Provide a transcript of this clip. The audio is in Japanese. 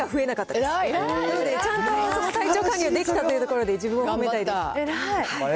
ので、ちゃんと体調管理ができたというところで、自分を褒めたいです。